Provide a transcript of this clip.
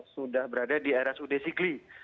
sudah berada di rsud sigli